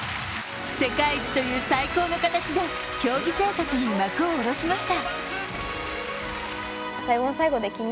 世界一という最高の形で競技生活に幕を下ろしました。